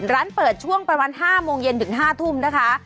ร้านเปิดช่วงประมาณ๕โมงเย็นถึง๕ทุ่มนะคะ